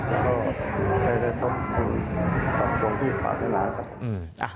ก็จะได้ต้นถึงตัดตรงที่ฝากน้ำ